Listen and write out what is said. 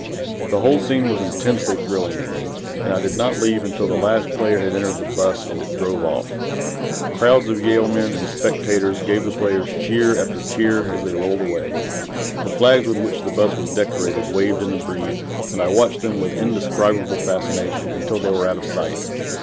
The whole scene was intensely thrilling to me, and I did not leave until the last player had entered the "bus" and it drove off. Crowds of Yale men and spectators gave the players cheer after cheer as they rolled away. The flags with which the "bus" was decorated waved in the breeze, and I watched them with indescribable fascination until they were out of sight.